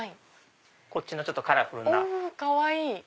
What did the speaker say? こっちのカラフルな。かわいい！